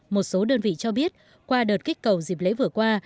một số đơn vị cho biết qua đợt kích cầu dịp lễ vừa qua